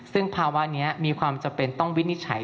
ซึ่งภาวะนี้มีความจำเป็นต้องวินิจฉัย